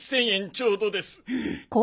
ちょうどです。